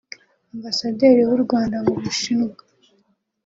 Ambasaderi w’u Rwanda mu Bushinwa